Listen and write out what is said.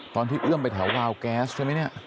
ตอนที่เอื้อมไปแถววาล์วแก๊สใช่ไหมเนี่ย